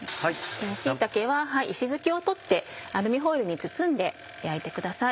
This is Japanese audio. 椎茸は石づきを取ってアルミホイルに包んで焼いてください。